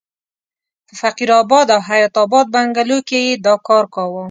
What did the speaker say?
په فقیر اباد او حیات اباد بنګلو کې یې دا کار کاوه.